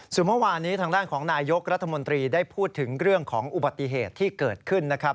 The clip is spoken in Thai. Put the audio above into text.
ส่วนเมื่อวานนี้ทางด้านของนายยกรัฐมนตรีได้พูดถึงเรื่องของอุบัติเหตุที่เกิดขึ้นนะครับ